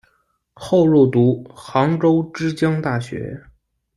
后入读杭州之江大学。